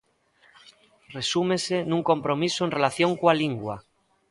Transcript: Resúmese nun compromiso en relación coa lingua.